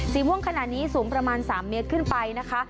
ม่วงขนาดนี้สูงประมาณ๓เมตรขึ้นไปนะคะ